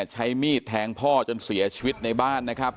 หลังจากที่เอ็มใช้มีดแทงพ่อจนเสียชีวิตในบ้านนะครับ